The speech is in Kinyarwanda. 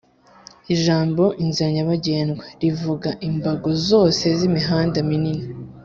Ijambo "Inzira nyabagendwa" rivuga imbago zose z'imihanda minini